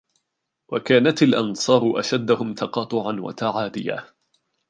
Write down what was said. وَكَانَتْ الْأَنْصَارُ أَشَدَّهُمْ تَقَاطُعًا وَتَعَادِيًا